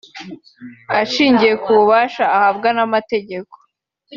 Ashingiye ku bubasha ahabwa n’amategeko